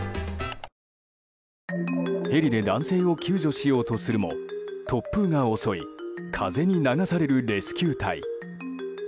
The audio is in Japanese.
ヘリで男性を救助しようとするも突風が襲い、風に流されるレスキュー隊。